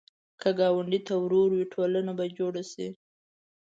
که ګاونډي ته ورور وې، ټولنه به جوړه شي